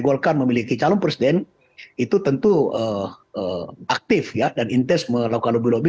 golkar memiliki calon presiden itu tentu aktif ya dan intens melakukan lobby lobby